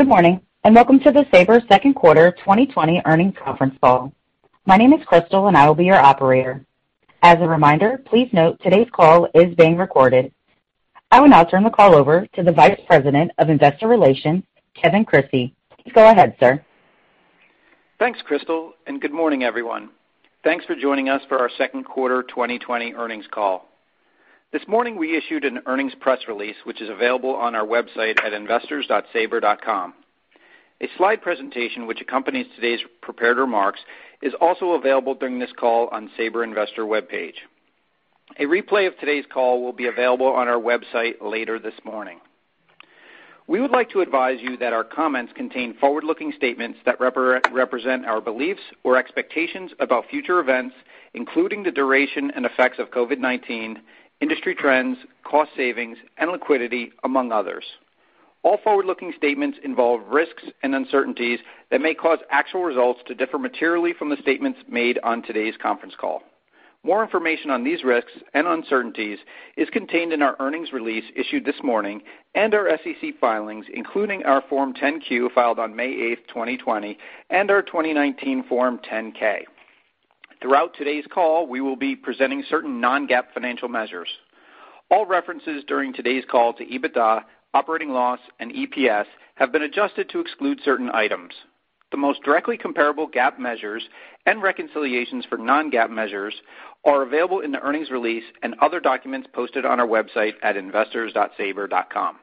Good morning, welcome to the Sabre second quarter 2020 earnings conference call. My name is Crystal, and I will be your operator. As a reminder, please note today's call is being recorded. I will now turn the call over to the Vice President of Investor Relations, Kevin Crissey. Go ahead, sir. Thanks, Crystal. Good morning, everyone. Thanks for joining us for our second quarter 2020 earnings call. This morning, we issued an earnings press release, which is available on our website at investors.sabre.com. A slide presentation which accompanies today's prepared remarks is also available during this call on Sabre investor webpage. A replay of today's call will be available on our website later this morning. We would like to advise you that our comments contain forward-looking statements that represent our beliefs or expectations about future events, including the duration and effects of COVID-19, industry trends, cost savings, and liquidity, among others. All forward-looking statements involve risks and uncertainties that may cause actual results to differ materially from the statements made on today's conference call. More information on these risks and uncertainties is contained in our earnings release issued this morning and our SEC filings, including our Form 10-Q filed on May 8th, 2020, and our 2019 Form 10-K. Throughout today's call, we will be presenting certain Non-GAAP financial measures. All references during today's call to EBITDA, operating loss, and EPS have been adjusted to exclude certain items. The most directly comparable GAAP measures and reconciliations for Non-GAAP measures are available in the earnings release and other documents posted on our website at investors.sabre.com.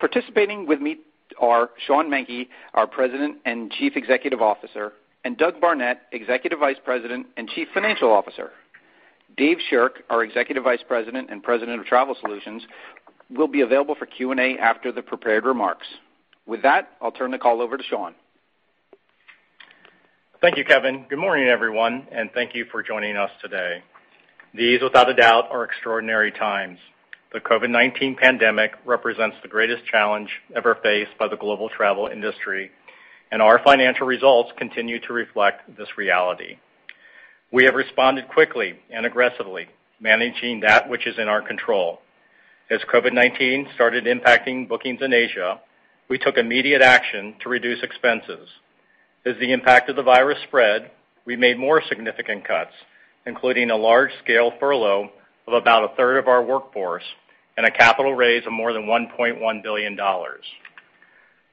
Participating with me are Sean Menke, our President and Chief Executive Officer, and Doug Barnett, Executive Vice President and Chief Financial Officer. Dave Shirk, our Executive Vice President and President of Travel Solutions, will be available for Q&A after the prepared remarks. With that, I'll turn the call over to Sean. Thank you, Kevin. Good morning, everyone, and thank you for joining us today. These, without a doubt, are extraordinary times. The COVID-19 pandemic represents the greatest challenge ever faced by the global travel industry. Our financial results continue to reflect this reality. We have responded quickly and aggressively, managing that which is in our control. As COVID-19 started impacting bookings in Asia, we took immediate action to reduce expenses. As the impact of the virus spread, we made more significant cuts, including a large-scale furlough of about a third of our workforce and a capital raise of more than $1.1 billion.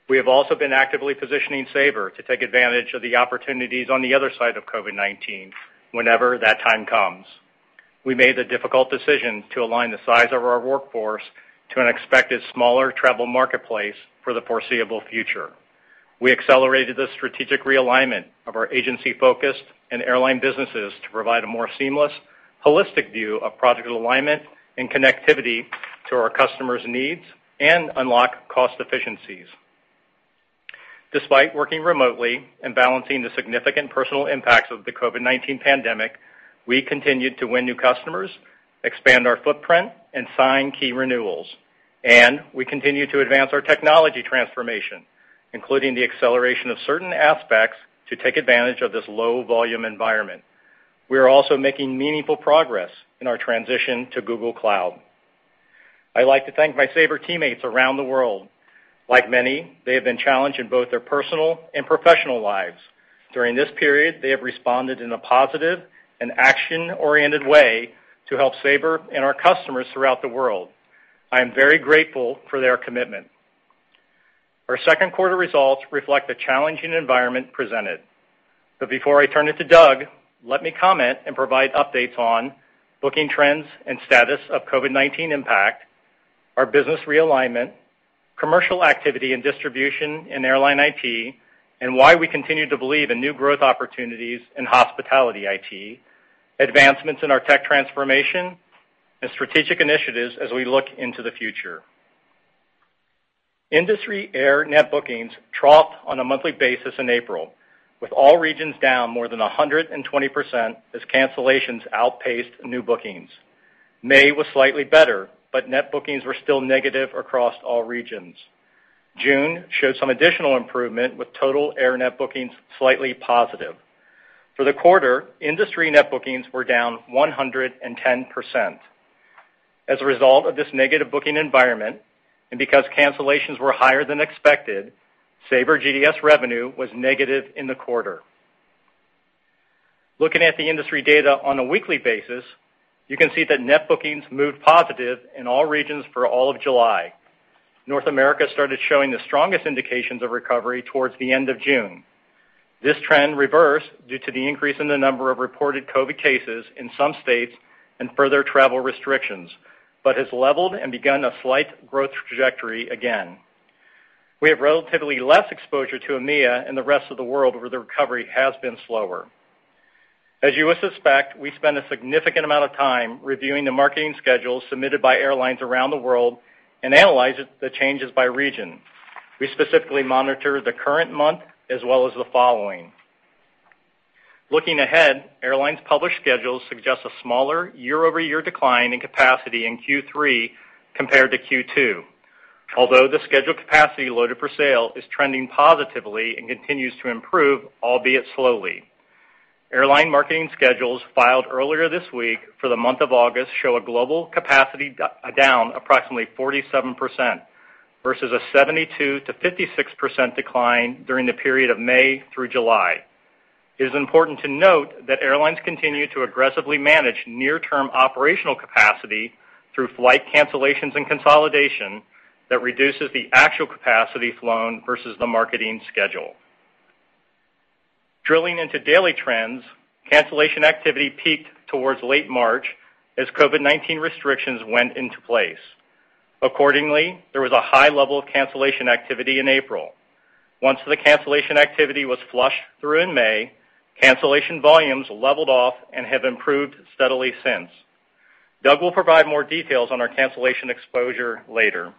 We have also been actively positioning Sabre to take advantage of the opportunities on the other side of COVID-19, whenever that time comes. We made the difficult decision to align the size of our workforce to an expected smaller travel marketplace for the foreseeable future. We accelerated the strategic realignment of our agency-focused and airline businesses to provide a more seamless, holistic view of project alignment and connectivity to our customers' needs and unlock cost efficiencies. Despite working remotely and balancing the significant personal impacts of the COVID-19 pandemic, we continued to win new customers, expand our footprint, and sign key renewals. We continue to advance our technology transformation, including the acceleration of certain aspects to take advantage of this low-volume environment. We are also making meaningful progress in our transition to Google Cloud. I'd like to thank my Sabre teammates around the world. Like many, they have been challenged in both their personal and professional lives. During this period, they have responded in a positive and action-oriented way to help Sabre and our customers throughout the world. I am very grateful for their commitment. Our second quarter results reflect the challenging environment presented. Before I turn it to Doug, let me comment and provide updates on booking trends and status of COVID-19 impact, our business realignment, commercial activity and distribution in airline IT, and why we continue to believe in new growth opportunities in hospitality IT, advancements in our tech transformation, and strategic initiatives as we look into the future. Industry air net bookings troughed on a monthly basis in April, with all regions down more than 120% as cancellations outpaced new bookings. May was slightly better, but net bookings were still negative across all regions. June showed some additional improvement, with total air net bookings slightly positive. For the quarter, industry net bookings were down 110%. As a result of this negative booking environment, and because cancellations were higher than expected, Sabre GDS revenue was negative in the quarter. Looking at the industry data on a weekly basis, you can see that net bookings moved positive in all regions for all of July. North America started showing the strongest indications of recovery towards the end of June. This trend reversed due to the increase in the number of reported COVID-19 cases in some states and further travel restrictions, but has leveled and begun a slight growth trajectory again. We have relatively less exposure to EMEA and the rest of the world, where the recovery has been slower. As you would suspect, we spend a significant amount of time reviewing the marketing schedules submitted by airlines around the world and analyze the changes by region. We specifically monitor the current month as well as the following. Looking ahead, airlines' published schedules suggest a smaller year-over-year decline in capacity in Q3 compared to Q2. Although the scheduled capacity loaded for sale is trending positively and continues to improve, albeit slowly. Airline marketing schedules filed earlier this week for the month of August show a global capacity down approximately 47%, versus a 72%-56% decline during the period of May through July. It is important to note that airlines continue to aggressively manage near-term operational capacity through flight cancellations and consolidation that reduces the actual capacity flown versus the marketing schedule. Drilling into daily trends, cancellation activity peaked towards late March as COVID-19 restrictions went into place. Accordingly, there was a high level of cancellation activity in April. Once the cancellation activity was flushed through in May, cancellation volumes leveled off and have improved steadily since. Doug will provide more details on our cancellation exposure later.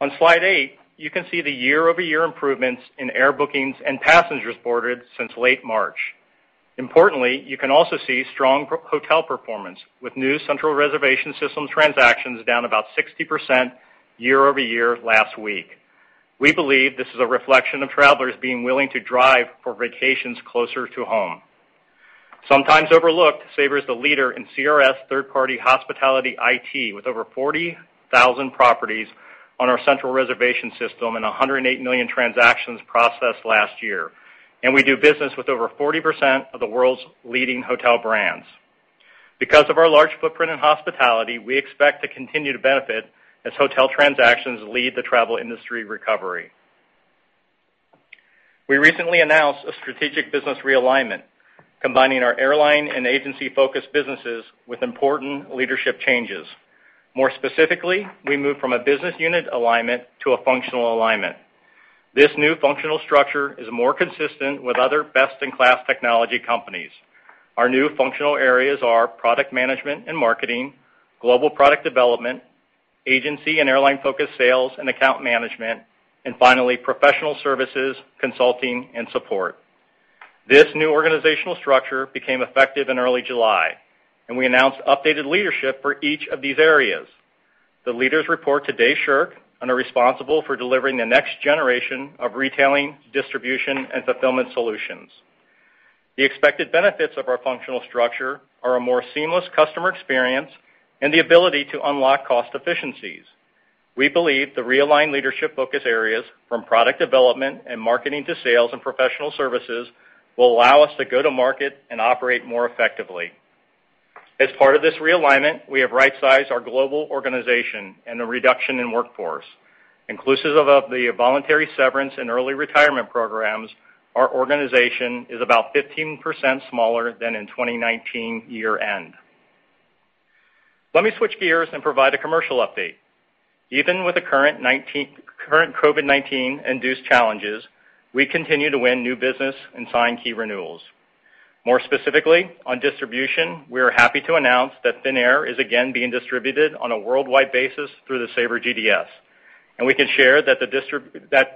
On slide eight, you can see the year-over-year improvements in air bookings and passengers boarded since late March. Importantly, you can also see strong hotel performance, with new central reservation system transactions down about 60% year-over-year last week. We believe this is a reflection of travelers being willing to drive for vacations closer to home. Sometimes overlooked, Sabre is the leader in CRS third-party hospitality IT, with over 40,000 properties on our central reservation system and 108 million transactions processed last year. We do business with over 40% of the world's leading hotel brands. Because of our large footprint in hospitality, we expect to continue to benefit as hotel transactions lead the travel industry recovery. We recently announced a strategic business realignment, combining our airline and agency-focused businesses with important leadership changes. More specifically, we moved from a business unit alignment to a functional alignment. This new functional structure is more consistent with other best-in-class technology companies. Our new functional areas are product management and marketing, global product development, agency and airline-focused sales and account management, and finally, professional services, consulting, and support. This new organizational structure became effective in early July, and we announced updated leadership for each of these areas. The leaders report to Dave Shirk and are responsible for delivering the next generation of retailing, distribution, and fulfillment solutions. The expected benefits of our functional structure are a more seamless customer experience and the ability to unlock cost efficiencies. We believe the realigned leadership focus areas, from product development and marketing to sales and professional services, will allow us to go to market and operate more effectively. As part of this realignment, we have right-sized our global organization and a reduction in workforce. Inclusive of the voluntary severance and early retirement programs, our organization is about 15% smaller than in 2019 year-end. Let me switch gears and provide a commercial update. Even with the current COVID-19-induced challenges, we continue to win new business and sign key renewals. More specifically, on distribution, we are happy to announce that Finnair is again being distributed on a worldwide basis through the Sabre GDS. We can share that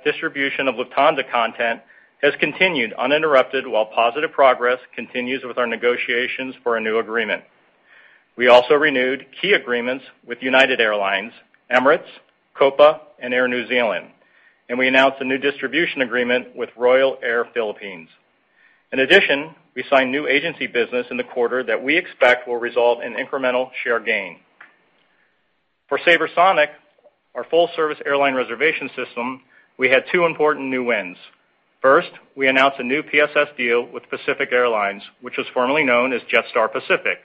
distribution of Lufthansa content has continued uninterrupted, while positive progress continues with our negotiations for a new agreement. We also renewed key agreements with United Airlines, Emirates, Copa, and Air New Zealand, and we announced a new distribution agreement with Royal Air Philippines. In addition, we signed new agency business in the quarter that we expect will result in incremental share gain. For SabreSonic, our full-service airline reservation system, we had two important new wins. First, we announced a new PSS deal with Pacific Airlines, which was formerly known as Jetstar Pacific.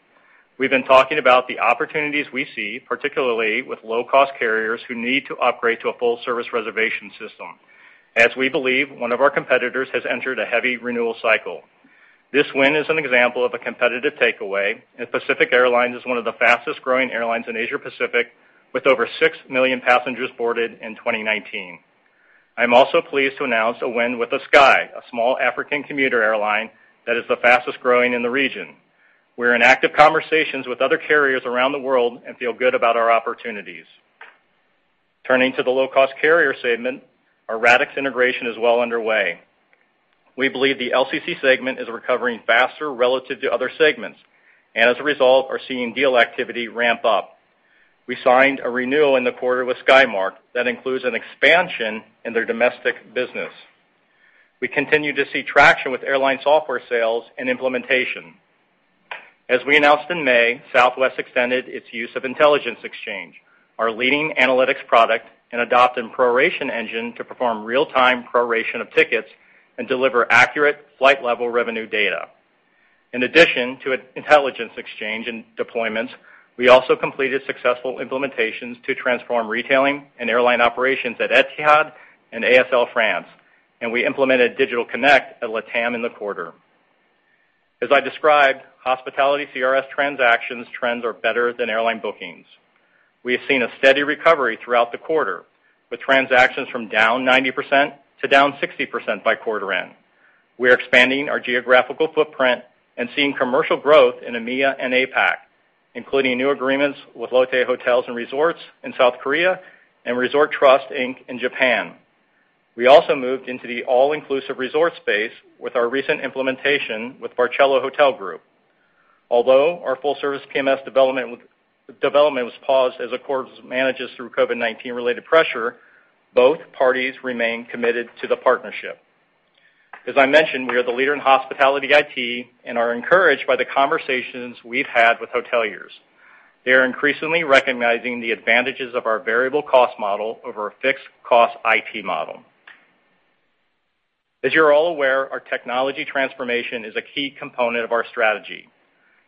We've been talking about the opportunities we see, particularly with low-cost carriers who need to upgrade to a full-service reservation system, as we believe one of our competitors has entered a heavy renewal cycle. This win is an example of a competitive takeaway, and Pacific Airlines is one of the fastest-growing airlines in Asia Pacific, with over six million passengers boarded in 2019. I'm also pleased to announce a win with ASKY, a small African commuter airline that is the fastest-growing in the region. We're in active conversations with other carriers around the world and feel good about our opportunities. Turning to the low-cost carrier segment, our Radixx integration is well underway. We believe the LCC segment is recovering faster relative to other segments, and as a result, are seeing deal activity ramp up. We signed a renewal in the quarter with Skymark that includes an expansion in their domestic business. We continue to see traction with Airline Solutions software sales and implementation. As we announced in May, Southwest extended its use of Intelligence Exchange, our leading analytics product, and adopted Proration Engine to perform real-time proration of tickets and deliver accurate flight-level revenue data. In addition to Intelligence Exchange and deployments, we also completed successful implementations to transform retailing and airline operations at Etihad and ASL Airlines France, and we implemented Digital Connect at LATAM in the quarter. As I described, hospitality CRS transactions trends are better than airline bookings. We have seen a steady recovery throughout the quarter, with transactions from down 90% to down 60% by quarter end. We are expanding our geograph ical footprint and seeing commercial growth in EMEA and APAC, including new agreements with Lotte Hotels & Resorts in South Korea and Resorttrust, Inc. in Japan. We also moved into the all-inclusive resort space with our recent implementation with Barceló Hotel Group. Although our full-service PMS development was paused as Accor manages through COVID-19 related pressure, both parties remain committed to the partnership. As I mentioned, we are the leader in hospitality IT and are encouraged by the conversations we've had with hoteliers. They are increasingly recognizing the advantages of our variable cost model over a fixed cost IT model. As you're all aware, our technology transformation is a key component of our strategy.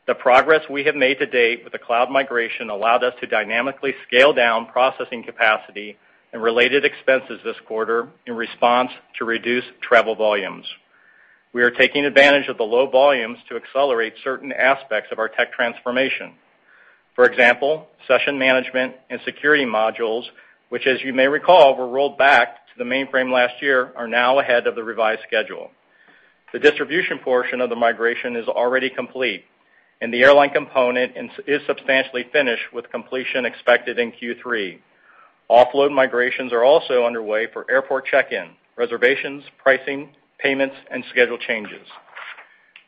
The progress we have made to date with the cloud migration allowed us to dynamically scale down processing capacity and related expenses this quarter in response to reduced travel volumes. We are taking advantage of the low volumes to accelerate certain aspects of our tech transformation. For example, session management and security modules, which as you may recall, were rolled back to the mainframe last year, are now ahead of the revised schedule. The distribution portion of the migration is already complete, and the airline component is substantially finished with completion expected in Q3. Offload migrations are also underway for airport check-in, reservations, pricing, payments, and schedule changes.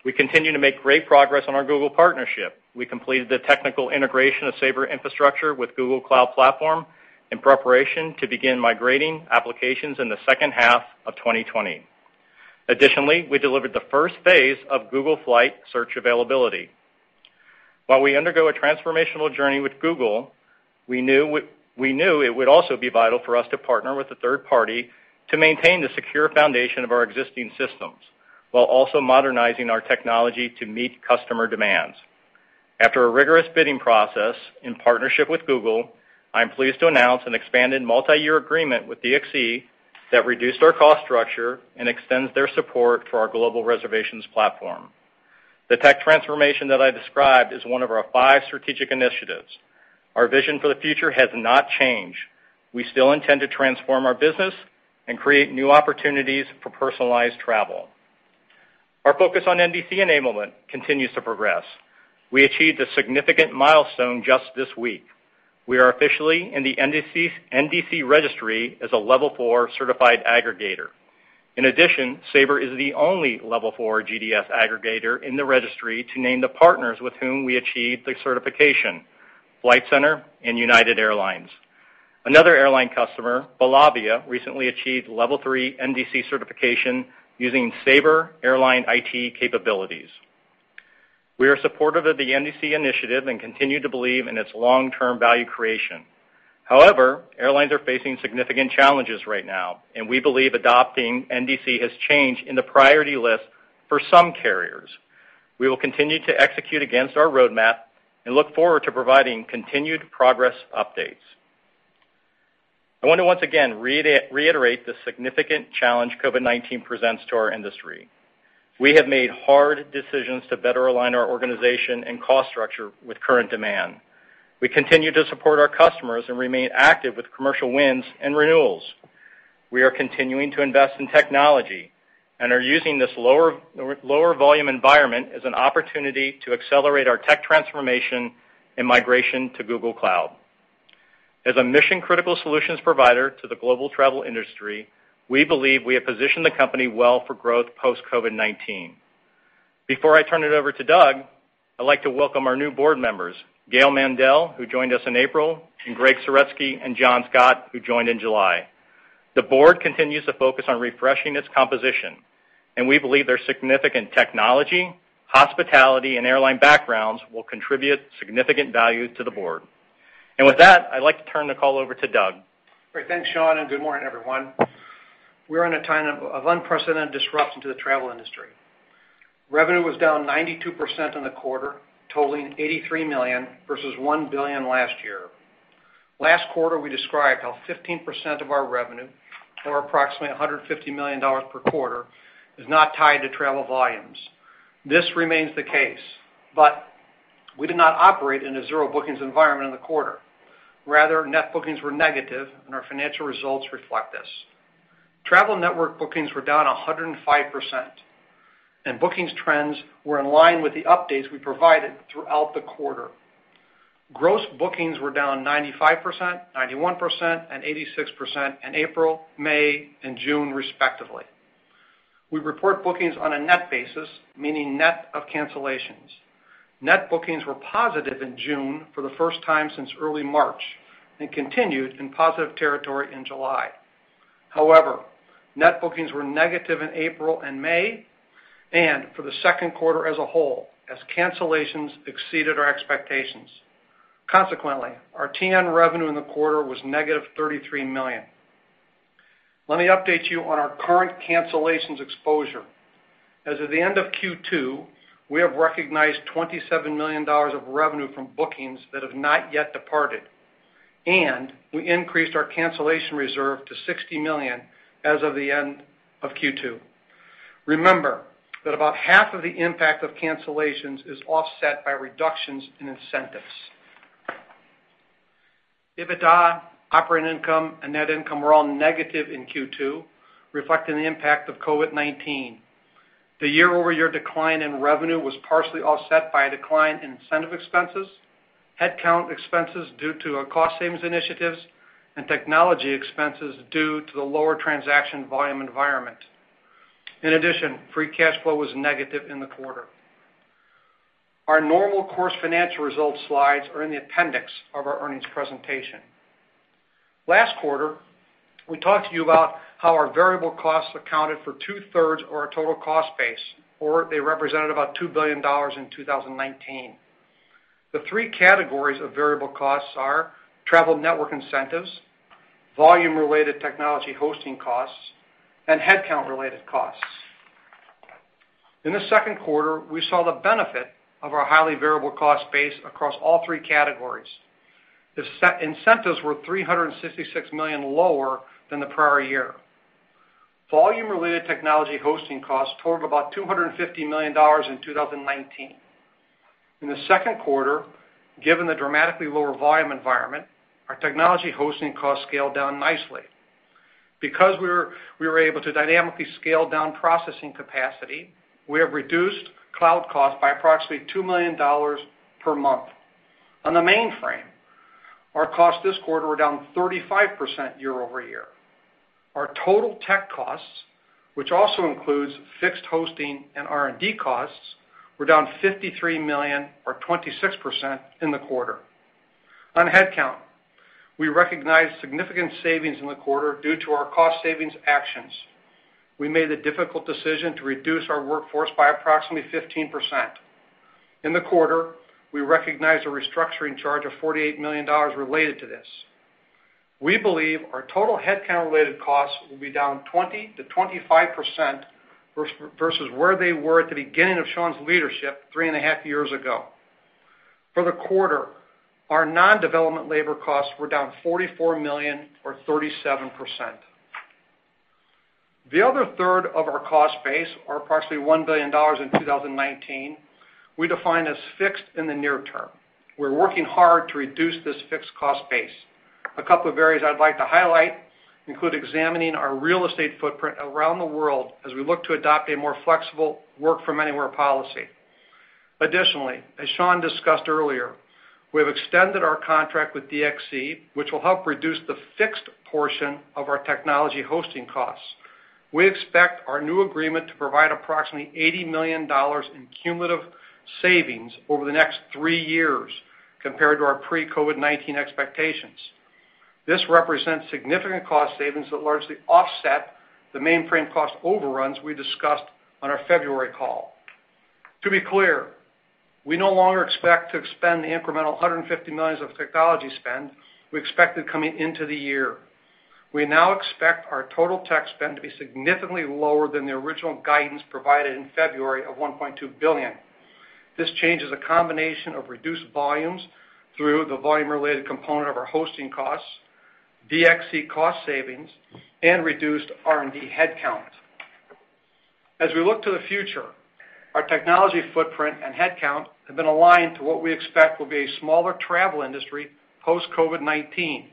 We continue to make great progress on our Google partnership. We completed the technical integration of Sabre infrastructure with Google Cloud Platform in preparation to begin migrating applications in the second half of 2020. Additionally, we delivered the first phase of Google Flight Search Availability. While we undergo a transformational journey with Google, we knew it would also be vital for us to partner with a third party to maintain the secure foundation of our existing systems while also modernizing our technology to meet customer demands. After a rigorous bidding process in partnership with Google, I'm pleased to announce an expanded multi-year agreement with DXC that reduced our cost structure and extends their support for our global reservations platform. The tech transformation that I described is one of our five strategic initiatives. Our vision for the future has not changed. We still intend to transform our business and create new opportunities for personalized travel. Our focus on NDC enablement continues to progress. We achieved a significant milestone just this week. We are officially in the NDC registry as a level four certified aggregator. In addition, Sabre is the only level four GDS aggregator in the registry to name the partners with whom we achieved the certification, Flight Centre and United Airlines. Another airline customer, Belavia, recently achieved level three NDC certification using Sabre Airline IT capabilities. We are supportive of the NDC initiative and continue to believe in its long-term value creation. Airlines are facing significant challenges right now, and we believe adopting NDC has changed in the priority list for some carriers. We will continue to execute against our roadmap and look forward to providing continued progress updates. I want to once again reiterate the significant challenge COVID-19 presents to our industry. We have made hard decisions to better align our organization and cost structure with current demand. We continue to support our customers and remain active with commercial wins and renewals. We are continuing to invest in technology and are using this lower volume environment as an opportunity to accelerate our tech transformation and migration to Google Cloud. As a mission-critical solutions provider to the global travel industry, we believe we have positioned the company well for growth post-COVID-19. Before I turn it over to Doug, I'd like to welcome our new board members, Gail Mandel, who joined us in April, and Gregg Saretsky and John Scott, who joined in July. The board continues to focus on refreshing its composition, and we believe their significant technology, hospitality, and airline backgrounds will contribute significant value to the board. With that, I'd like to turn the call over to Doug. Great. Thanks, Sean, and good morning, everyone. We're in a time of unprecedented disruption to the travel industry. Revenue was down 92% on the quarter, totaling $83 million versus $1 billion last year. Last quarter, we described how 15% of our revenue, or approximately $150 million per quarter, is not tied to travel volumes. This remains the case, but we did not operate in a zero bookings environment in the quarter. Rather, net bookings were negative and our financial results reflect this. Travel Network bookings were down 105%, and bookings trends were in line with the updates we provided throughout the quarter. Gross bookings were down 95%, 91%, and 86% in April, May, and June, respectively. We report bookings on a net basis, meaning net of cancellations. Net bookings were positive in June for the first time since early March and continued in positive territory in July. Net bookings were negative in April and May and for the second quarter as a whole as cancellations exceeded our expectations. Our TN revenue in the quarter was -$33 million. Let me update you on our current cancellations exposure. As of the end of Q2, we have recognized $27 million of revenue from bookings that have not yet departed, and we increased our cancellation reserve to $60 million as of the end of Q2. Remember that about half of the impact of cancellations is offset by reductions in incentives. EBITDA, operating income, and net income were all negative in Q2, reflecting the impact of COVID-19. The year-over-year decline in revenue was partially offset by a decline in incentive expenses, headcount expenses due to our cost savings initiatives, and technology expenses due to the lower transaction volume environment. Free cash flow was negative in the quarter. Our normal course financial results slides are in the appendix of our earnings presentation. Last quarter, we talked to you about how our variable costs accounted for two-thirds of our total cost base, or they represented about $2 billion in 2019. The three categories of variable costs are Travel Network incentives, volume-related technology hosting costs, and headcount-related costs. In the second quarter, we saw the benefit of our highly variable cost base across all three categories. The incentives were $366 million lower than the prior year. Volume-related technology hosting costs totaled about $250 million in 2019. In the second quarter, given the dramatically lower volume environment, our technology hosting costs scaled down nicely. Because we were able to dynamically scale down processing capacity, we have reduced cloud costs by approximately $2 million per month. On the mainframe, our costs this quarter were down 35% year-over-year. Our total tech costs, which also includes fixed hosting and R&D costs, were down $53 million or 26% in the quarter. On headcount, we recognized significant savings in the quarter due to our cost savings actions. We made the difficult decision to reduce our workforce by approximately 15%. In the quarter, we recognized a restructuring charge of $48 million related to this. We believe our total headcount-related costs will be down 20%-25% versus where they were at the beginning of Sean's leadership three and a half years ago. For the quarter, our non-development labor costs were down $44 million or 37%. The other third of our cost base are approximately $1 billion in 2019, we define as fixed in the near term. We are working hard to reduce this fixed cost base. A couple of areas I'd like to highlight include examining our real estate footprint around the world as we look to adopt a more flexible work from anywhere policy. Additionally, as Sean discussed earlier, we have extended our contract with DXC, which will help reduce the fixed portion of our technology hosting costs. We expect our new agreement to provide approximately $80 million in cumulative savings over the next three years compared to our pre-COVID-19 expectations. This represents significant cost savings that largely offset the mainframe cost overruns we discussed on our February call. To be clear, we no longer expect to expend the incremental $150 million of technology spend we expected coming into the year. We now expect our total tech spend to be significantly lower than the original guidance provided in February of $1.2 billion. This change is a combination of reduced volumes through the volume-related component of our hosting costs, DXC cost savings, and reduced R&D headcount. As we look to the future, our technology footprint and headcount have been aligned to what we expect will be a smaller travel industry post-COVID-19.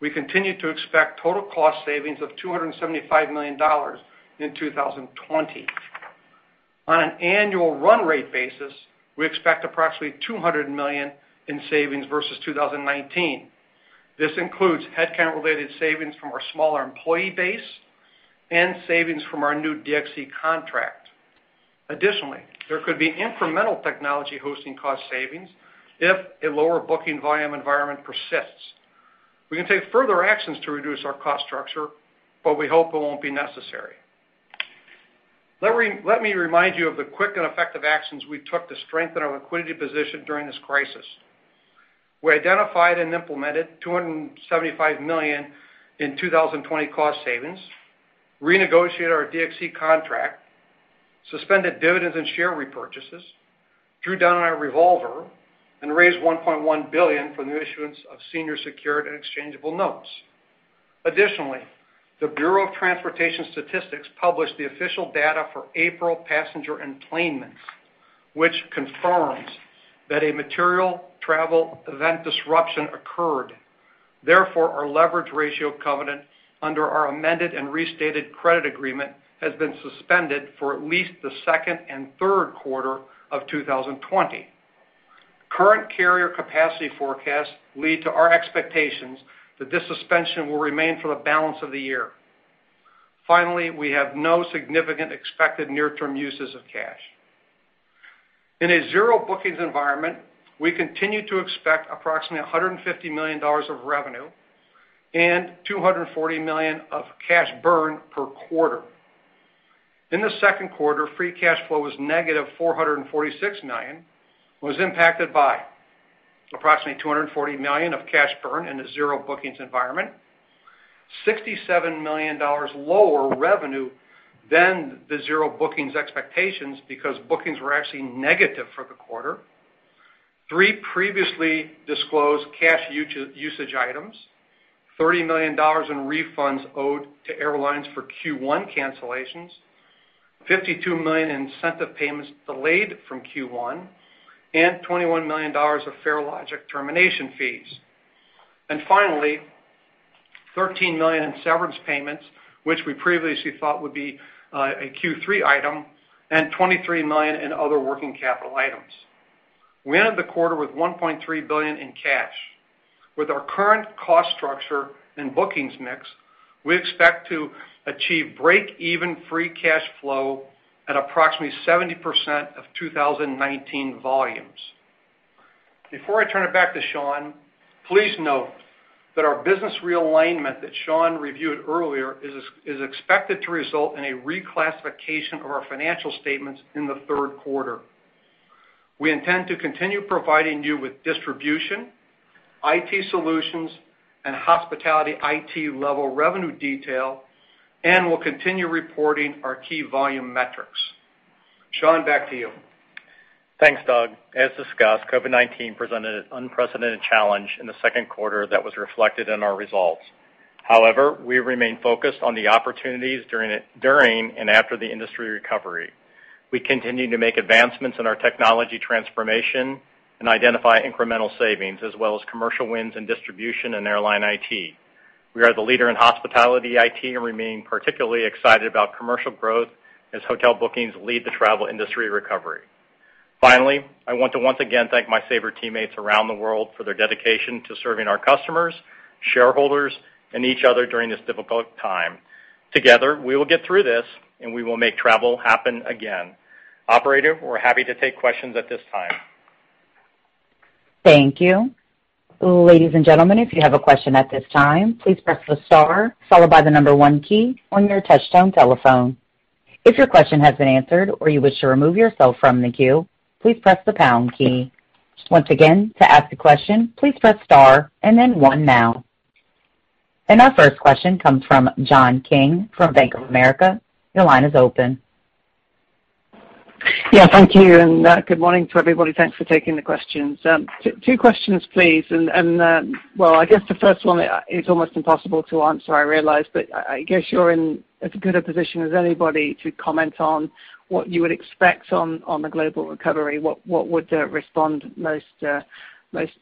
We continue to expect total cost savings of $275 million in 2020. On an annual run rate basis, we expect approximately $200 million in savings versus 2019. This includes headcount-related savings from our smaller employee base and savings from our new DXC contract. Additionally, there could be incremental technology hosting cost savings if a lower booking volume environment persists. We can take further actions to reduce our cost structure, but we hope it won't be necessary. Let me remind you of the quick and effective actions we took to strengthen our liquidity position during this crisis. We identified and implemented $275 million in 2020 cost savings, renegotiated our DXC contract, suspended dividends and share repurchases, drew down on our revolver, and raised $1.1 billion for the issuance of senior secured and exchangeable notes. The Bureau of Transportation Statistics published the official data for April passenger enplanements, which confirms that a material travel event disruption occurred. Our leverage ratio covenant under our amended and restated credit agreement has been suspended for at least the second and third quarter of 2020. Current carrier capacity forecasts lead to our expectations that this suspension will remain for the balance of the year. We have no significant expected near-term uses of cash. In a zero bookings environment, we continue to expect approximately $150 million of revenue and $240 million of cash burn per quarter. In the second quarter, free cash flow was negative $446 million, was impacted by approximately $240 million of cash burn in a zero bookings environment, $67 million lower revenue than the zero bookings expectations because bookings were actually negative for the quarter. Three previously disclosed cash usage items, $30 million in refunds owed to airlines for Q1 cancellations, $52 million in incentive payments delayed from Q1, and $21 million of Farelogix termination fees. Finally, $13 million in severance payments, which we previously thought would be a Q3 item, and $23 million in other working capital items. We ended the quarter with $1.3 billion in cash. With our current cost structure and bookings mix, we expect to achieve break-even free cash flow at approximately 70% of 2019 volumes. Before I turn it back to Sean, please note that our business realignment that Sean reviewed earlier is expected to result in a reclassification of our financial statements in the third quarter. We intend to continue providing you with distribution, IT solutions, and hospitality IT-level revenue detail, and we'll continue reporting our key volume metrics. Sean, back to you. Thanks, Doug. As discussed, COVID-19 presented an unprecedented challenge in the second quarter that was reflected in our results. We remain focused on the opportunities during and after the industry recovery. We continue to make advancements in our technology transformation and identify incremental savings, as well as commercial wins in distribution and Airline IT. We are the leader in Hospitality IT and remain particularly excited about commercial growth as hotel bookings lead the travel industry recovery. Finally, I want to once again thank my Sabre teammates around the world for their dedication to serving our customers, shareholders, and each other during this difficult time. Together, we will get through this, and we will make travel happen again. Operator, we're happy to take questions at this time. Thank you. Ladies and gentlemen, Our first question comes from John King from Bank of America. Your line is open. Thank you, good morning to everybody. Thanks for taking the questions. Two questions, please. Well, I guess the first one is almost impossible to answer, I realize, but I guess you're in as good a position as anybody to comment on what you would expect on the global recovery. What would respond soonest?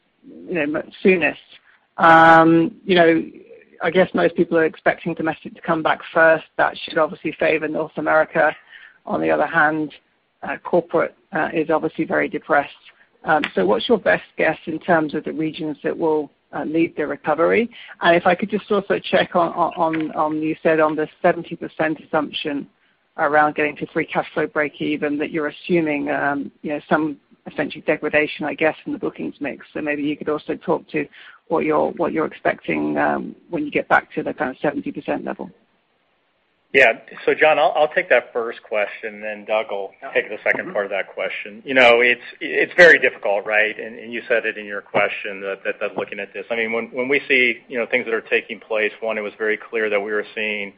I guess most people are expecting domestic to come back first. That should obviously favor North America. On the other hand, corporate is obviously very depressed. What's your best guess in terms of the regions that will lead the recovery? If I could just also check on, you said on the 70% assumption around getting to free cash flow breakeven, that you're assuming some essential degradation, I guess, in the bookings mix. Maybe you could also talk to what you're expecting when you get back to the kind of 70% level. John, I'll take that first question, then Doug will take the second part of that question. It's very difficult, right? You said it in your question that When we see things that are taking place, one, it was very clear that we were seeing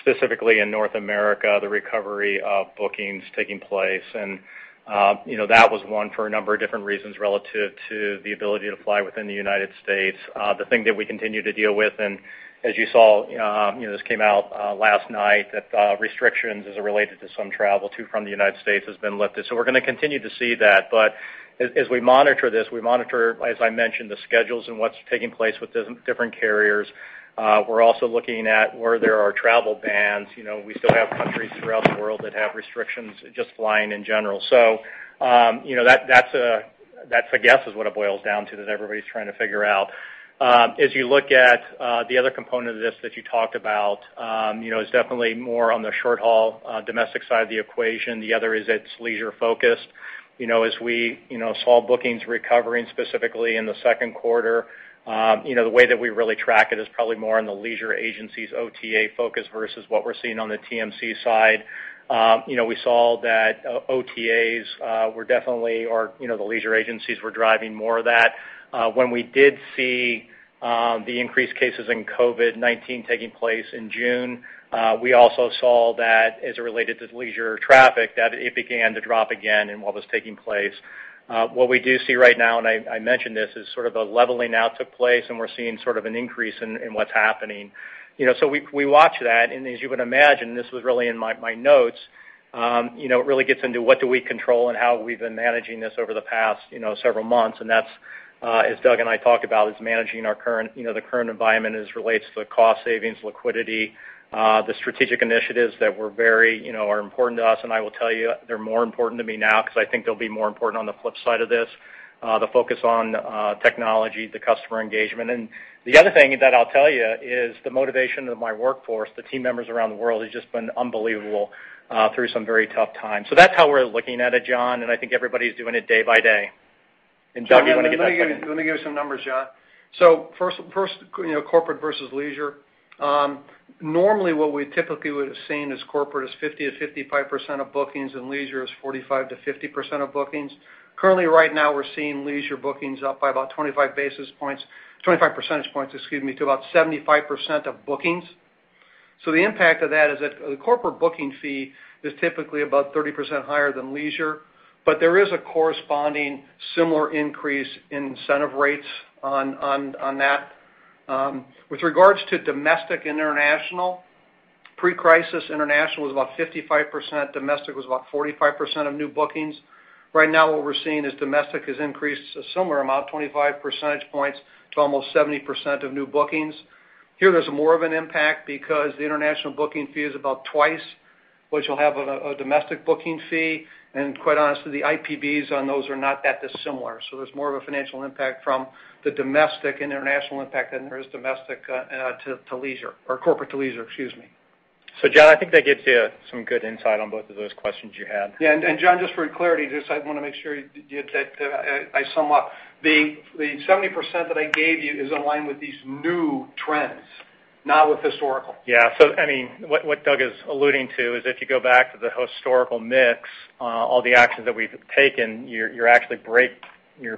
specifically in North America, the recovery of bookings taking place. That was one for a number of different reasons relative to the ability to fly within the United States. The thing that we continue to deal with, and as you saw this came out last night, that restrictions as it related to some travel to and from the United States has been lifted. We're going to continue to see that. As we monitor this, we monitor, as I mentioned, the schedules and what's taking place with different carriers. We're also looking at where there are travel bans. We still have countries throughout the world that have restrictions just flying in general. That's a guess is what it boils down to that everybody's trying to figure out. As you look at the other component of this that you talked about, is definitely more on the short-haul domestic side of the equation. The other is it's leisure focused. As we saw bookings recovering specifically in the second quarter, the way that we really track it is probably more in the leisure agencies, OTA focus versus what we're seeing on the TMC side. We saw that OTAs were definitely, or the leisure agencies were driving more of that. When we did see the increased cases in COVID-19 taking place in June, we also saw that as it related to leisure traffic, that it began to drop again and all this taking place. What we do see right now, and I mentioned this, is sort of a leveling out took place, and we're seeing sort of an increase in what's happening. We watch that, and as you would imagine, this was really in my notes, it really gets into what do we control and how we've been managing this over the past several months. That's, as Doug and I talked about, is managing the current environment as it relates to the cost savings, liquidity, the strategic initiatives that are important to us. I will tell you, they're more important to me now because I think they'll be more important on the flip side of this, the focus on technology, the customer engagement. The other thing that I'll tell you is the motivation of my workforce, the team members around the world has just been unbelievable through some very tough times. That's how we're looking at it, John, and I think everybody's doing it day by day. Doug, do you want to get that second? Let me give you some numbers, John. First, corporate versus leisure. Normally, what we typically would have seen is corporate is 50%-55% of bookings and leisure is 45%-50% of bookings. Currently, right now, we're seeing leisure bookings up by about 25 percentage points to about 75% of bookings. The impact of that is that the corporate booking fee is typically about 30% higher than leisure, but there is a corresponding similar increase in incentive rates on that. With regards to domestic international, pre-crisis international was about 55%, domestic was about 45% of new bookings. Right now, what we're seeing is domestic has increased a similar amount, 25 percentage points to almost 70% of new bookings. Here, there's more of an impact because the international booking fee is about twice, which will have a domestic booking fee, and quite honestly, the IPBs on those are not that dissimilar. There's more of a financial impact from the domestic and international impact than there is domestic to leisure or corporate to leisure, excuse me. John, I think that gives you some good insight on both of those questions you had. Yeah. John, just for clarity, just I want to make sure that I sum up. The 70% that I gave you is in line with these new trends, not with historical. Yeah. What Doug is alluding to is if you go back to the historical mix, all the actions that we've taken, your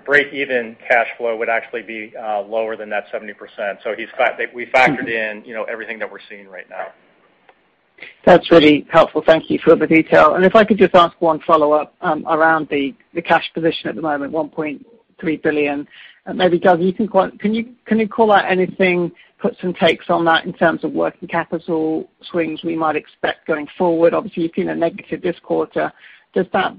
break-even cash flow would actually be lower than that 70%. We factored in everything that we're seeing right now. That's really helpful. Thank you for the detail. If I could just ask one follow-up around the cash position at the moment, $1.3 billion. Maybe Doug, can you call out anything, put some takes on that in terms of working capital swings we might expect going forward? Obviously, you've seen a negative this quarter. Does that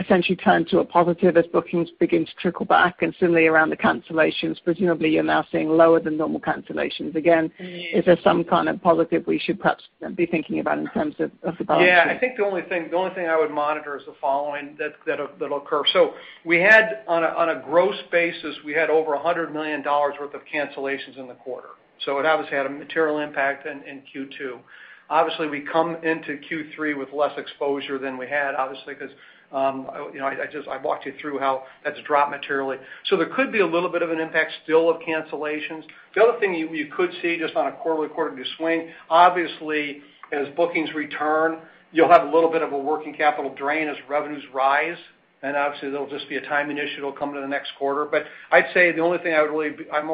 essentially turn to a positive as bookings begin to trickle back? Similarly, around the cancellations, presumably you're now seeing lower than normal cancellations. Again, is there some kind of positive we should perhaps be thinking about in terms of the balance sheet? Yeah, I think the only thing I would monitor is the following that'll occur. We had, on a gross basis, we had over $100 million worth of cancellations in the quarter. It obviously had a material impact in Q2. Obviously, we come into Q3 with less exposure than we had, obviously, because I walked you through how that's dropped materially. There could be a little bit of an impact still of cancellations. The other thing you could see just on a quarter-to-quarter view swing, obviously, as bookings return, you'll have a little bit of a working capital drain as revenues rise, and obviously, that'll just be a timing issue. It'll come into the next quarter. I'd say the only thing I'm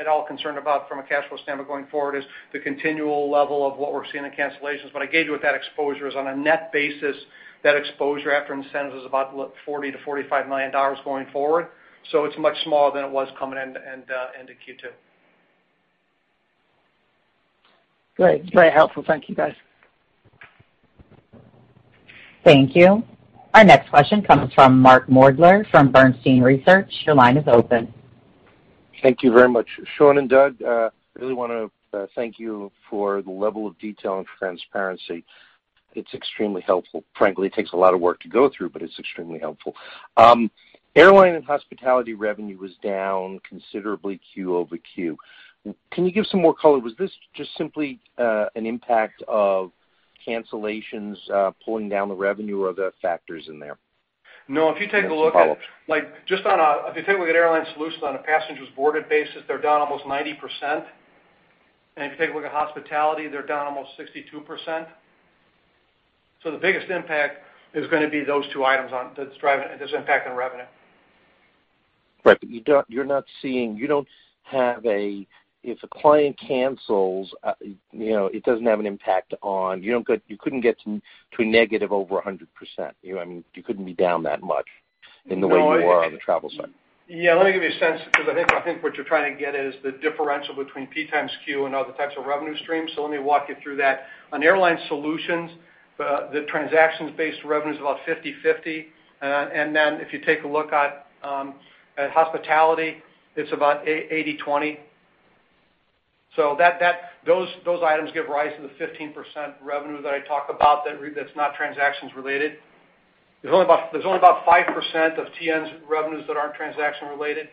at all concerned about from a cash flow standpoint going forward is the continual level of what we're seeing in cancellations. I gave you what that exposure is on a net basis. That exposure after incentives is about $40 million-$45 million going forward. It's much smaller than it was coming into Q2. Great. Helpful. Thank you, guys. Thank you. Our next question comes from Mark Moerdler from Bernstein Research. Your line is open. Thank you very much. Sean and Doug, I really want to thank you for the level of detail and transparency. It is extremely helpful. Frankly, it takes a lot of work to go through, but it is extremely helpful. Airline and hospitality revenue was down considerably quarter-over-quarter. Can you give some more color? Was this just simply an impact of cancellations pulling down the revenue or are there factors in there? No. Follow-up If you take a look at Airline Solutions on a passengers boarded basis, they're down almost 90%. If you take a look at Hospitality Solutions, they're down almost 62%. The biggest impact is going to be those two items that's impacting revenue. Right. If a client cancels, it doesn't have an impact. You couldn't get to a negative over 100%. You couldn't be down that much in the way you were on the travel side. Yeah, let me give you a sense, because I think what you're trying to get at is the differential between P times Q and other types of revenue streams. Let me walk you through that. On Airline Solutions, the transactions-based revenue is about 50/50. If you take a look at hospitality, it's about 80/20. Those items give rise to the 15% revenue that I talk about that's not transactions-related. There's only about 5% of TN's revenues that aren't transaction-related.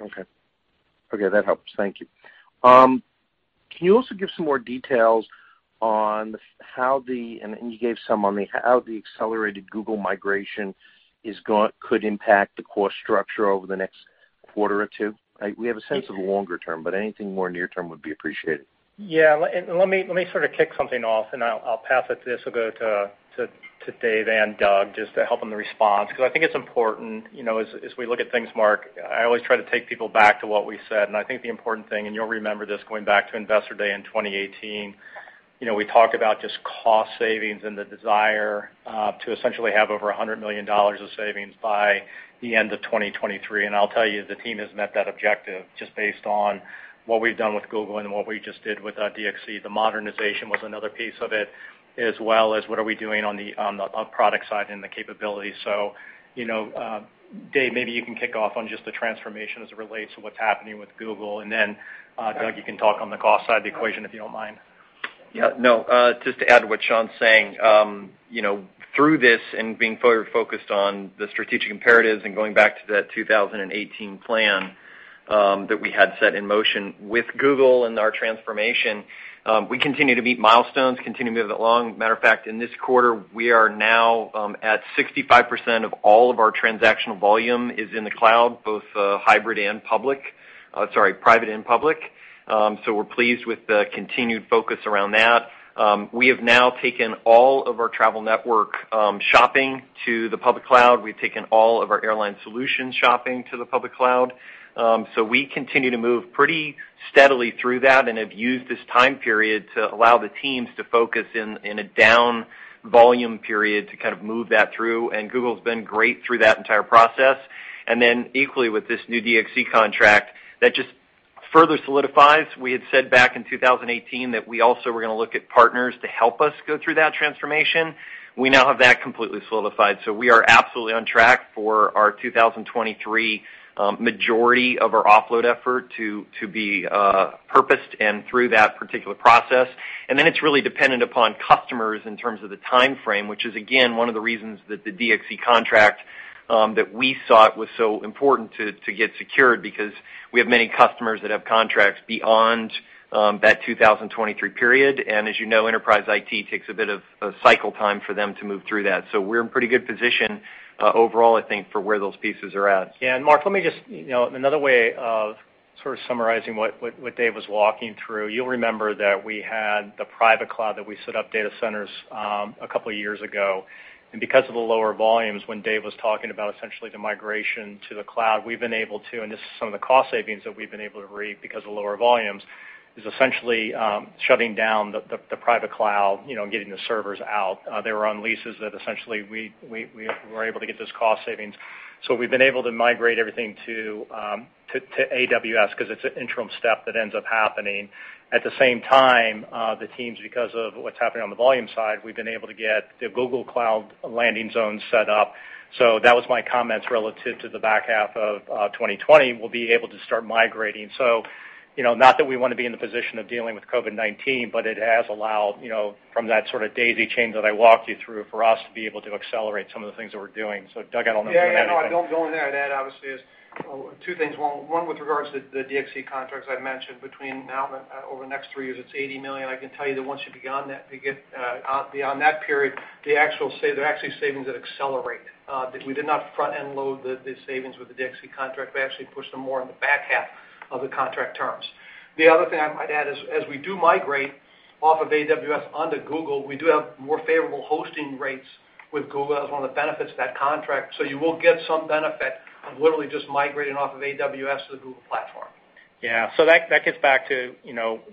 Okay. That helps. Thank you. Can you also give some more details on how the accelerated Google migration could impact the cost structure over the next quarter or two? We have a sense of longer-term, but anything more near-term would be appreciated. Let me sort of kick something off, and I'll pass it to Dave and Doug just to help in the response, because I think it's important, as we look at things, Mark, I always try to take people back to what we said. I think the important thing, and you'll remember this going back to Investor Day in 2018, we talked about just cost savings and the desire to essentially have over $100 million of savings by the end of 2023. I'll tell you, the team has met that objective just based on what we've done with Google and what we just did with DXC. The modernization was another piece of it, as well as what are we doing on the product side and the capability. Dave, maybe you can kick off on just the transformation as it relates to what's happening with Google, and then Doug, you can talk on the cost side of the equation, if you don't mind. Yeah, no, just to add to what Sean's saying. Through this and being further focused on the strategic imperatives and going back to that 2018 plan that we had set in motion with Google and our transformation, we continue to meet milestones, continue to move it along. Matter of fact, in this quarter, we are now at 65% of all of our transactional volume is in the cloud, both hybrid and public. Sorry, private and public. We're pleased with the continued focus around that. We have now taken all of our Travel Network shopping to the public cloud. We've taken all of our Airline Solutions shopping to the public cloud. We continue to move pretty steadily through that and have used this time period to allow the teams to focus in a down-volume period to kind of move that through. Google's been great through that entire process. Equally with this new DXC contract, that just. Further solidifies. We had said back in 2018 that we also were going to look at partners to help us go through that transformation. We now have that completely solidified. We are absolutely on track for our 2023 majority of our offload effort to be purposed and through that particular process. Then it's really dependent upon customers in terms of the timeframe, which is, again, one of the reasons that the DXC contract that we sought was so important to get secured, because we have many customers that have contracts beyond that 2023 period. As you know, enterprise IT takes a bit of a cycle time for them to move through that. We're in pretty good position overall, I think, for where those pieces are at. Yeah. Mark, let me just, another way of sort of summarizing what Dave was walking through. You'll remember that we had the private cloud, that we set up data centers a couple of years ago. Because of the lower volumes, when Dave was talking about essentially the migration to the cloud, we've been able to, and this is some of the cost savings that we've been able to reap because of lower volumes, is essentially shutting down the private cloud, getting the servers out. They were on leases that essentially we were able to get those cost savings. We've been able to migrate everything to AWS because it's an interim step that ends up happening. At the same time, the teams, because of what's happening on the volume side, we've been able to get the Google Cloud landing zone set up. That was my comments relative to the back half of 2020. We'll be able to start migrating. Not that we want to be in the position of dealing with COVID-19, but it has allowed, from that sort of daisy chain that I walked you through, for us to be able to accelerate some of the things that we're doing. Doug, I don't know if you want to add anything. Yeah, no, I'll go in there. To add, obviously, is two things. One with regards to the DXC contracts I mentioned between now and over the next three years, it's $80 million. I can tell you that once you get beyond that period, there are actually savings that accelerate. That we did not front-end load the savings with the DXC contract. We actually pushed them more in the back half of the contract terms. The other thing I might add is, as we do migrate off of AWS onto Google, we do have more favorable hosting rates with Google. That was one of the benefits of that contract. You will get some benefit of literally just migrating off of AWS to the Google platform. That gets back to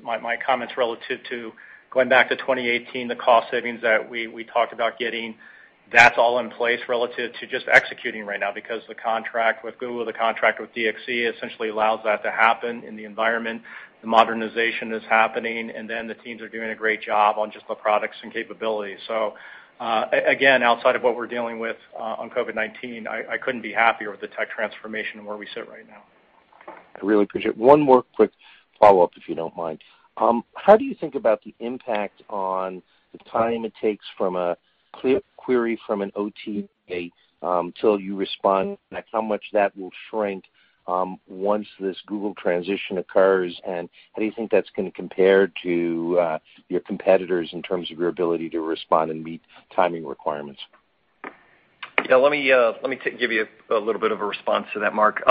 my comments relative to going back to 2018, the cost savings that we talked about getting. That's all in place relative to just executing right now because the contract with Google, the contract with DXC essentially allows that to happen in the environment. The modernization is happening, the teams are doing a great job on just the products and capabilities. Again, outside of what we're dealing with on COVID-19, I couldn't be happier with the tech transformation and where we sit right now. I really appreciate it. One more quick follow-up, if you don't mind. How do you think about the impact on the time it takes from a query from an OTA till you respond back, how much that will shrink once this Google transition occurs, and how do you think that's going to compare to your competitors in terms of your ability to respond and meet timing requirements? Yeah, let me give you a little bit of a response to that, Mark.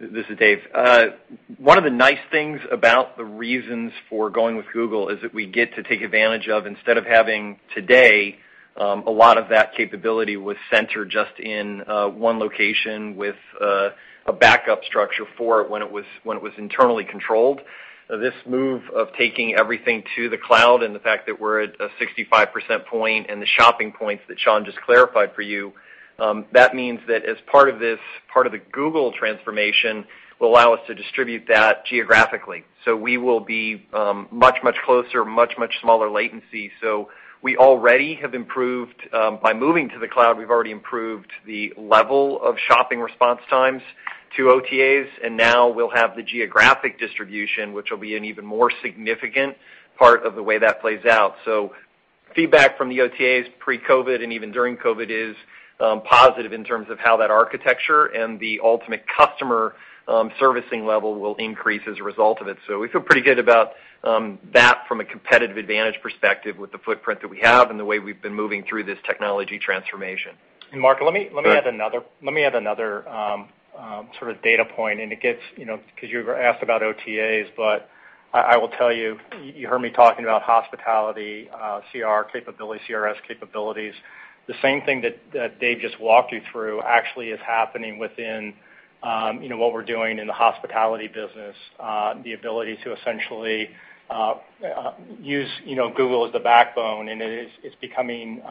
This is Dave. One of the nice things about the reasons for going with Google is that we get to take advantage of instead of having today, a lot of that capability was centered just in one location with a backup structure for it when it was internally controlled. This move of taking everything to the cloud and the fact that we're at a 65% point and the shopping points that Sean just clarified for you, that means that as part of the Google transformation will allow us to distribute that geographically. We will be much, much closer, much, much smaller latency. By moving to the cloud, we've already improved the level of shopping response times to OTAs, and now we'll have the geographic distribution, which will be an even more significant part of the way that plays out. Feedback from the OTAs pre-COVID-19 and even during COVID-19 is positive in terms of how that architecture and the ultimate customer servicing level will increase as a result of it. We feel pretty good about that from a competitive advantage perspective with the footprint that we have and the way we've been moving through this technology transformation. Mark, let me add another sort of data point. Because you asked about OTAs, but I will tell you heard me talking about hospitality, CRS capabilities. The same thing that Dave just walked you through actually is happening within what we're doing in the hospitality business. The ability to essentially use Google as the backbone, and it's becoming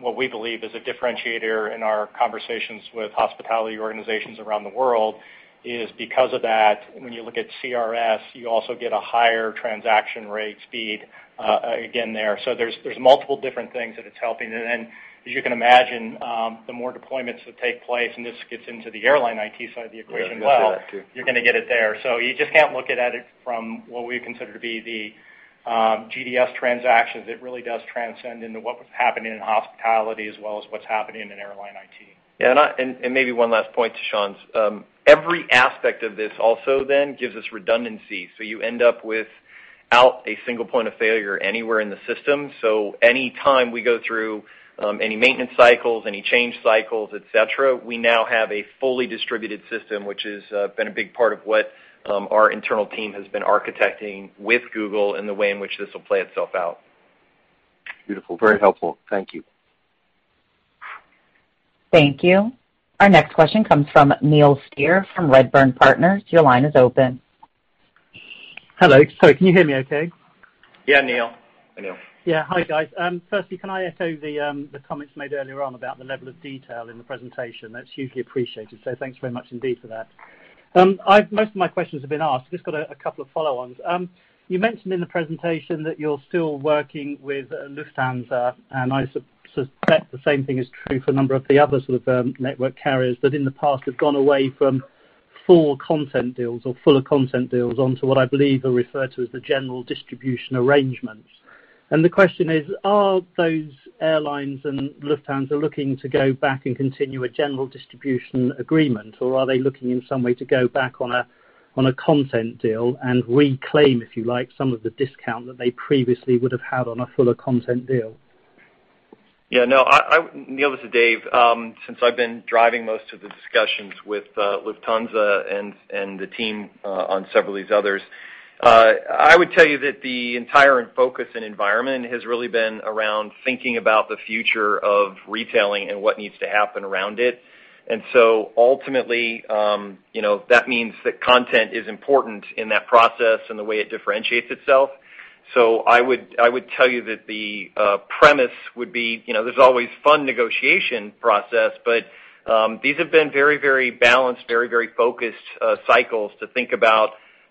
what we believe is a differentiator in our conversations with hospitality organizations around the world, is because of that, when you look at CRS, you also get a higher transaction rate speed again there. There's multiple different things that it's helping. As you can imagine, the more deployments that take place, and this gets into the Airline IT side of the equation as well. Yeah, I was going to get to that too you're going to get it there. You just can't look at it from what we consider to be the GDS transactions. It really does transcend into what was happening in Hospitality as well as what's happening in Airline IT. Yeah. Maybe one last point to Sean's. Every aspect of this also then gives us redundancy, so you end up without a single point of failure anywhere in the system. Any time we go through any maintenance cycles, any change cycles, et cetera, we now have a fully distributed system, which has been a big part of what our internal team has been architecting with Google and the way in which this will play itself out. Beautiful. Very helpful. Thank you. Thank you. Our next question comes from Neil Steer from Redburn Partners. Your line is open. Hello. Sorry, can you hear me okay? Yeah, Neil. Hi, guys. Firstly, can I echo the comments made earlier on about the level of detail in the presentation? That's hugely appreciated, so thanks very much indeed for that. Most of my questions have been asked. I've just got a couple of follow-ons. You mentioned in the presentation that you're still working with Lufthansa, and I suspect the same thing is true for a number of the other network carriers that in the past have gone away from full content deals or fuller content deals onto what I believe are referred to as the general distribution arrangements. The question is: Are those airlines and Lufthansa looking to go back and continue a general distribution agreement, or are they looking in some way to go back on a content deal and reclaim, if you like, some of the discount that they previously would have had on a fuller content deal? Yeah, no. Neil, this is Dave. Since I've been driving most of the discussions with Lufthansa and the team on several of these others, I would tell you that the entire focus and environment has really been around thinking about the future of retailing and what needs to happen around it. Ultimately, that means that content is important in that process and the way it differentiates itself. I would tell you that the premise would be, there's always fun negotiation process, but these have been very balanced, very focused cycles to think about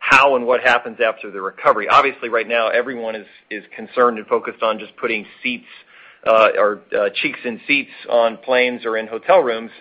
how and what happens after the recovery. Obviously, right now, everyone is concerned and focused on just putting cheeks in seats on planes or in hotel rooms.